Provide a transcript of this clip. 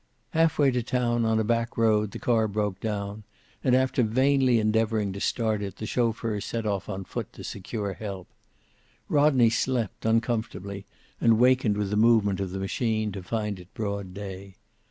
Half way to town, on a back road, the car broke down, and after vainly endeavoring to start it the chauffeur set off on foot to secure help. Rodney slept, uncomfortably, and wakened with the movement of the machine to find it broad day.